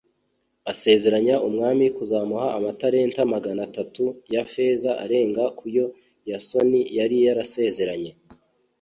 asezeranya umwami kuzamuha amatalenta magana atatu ya feza arenga ku yo yasoni yari yarasezeranye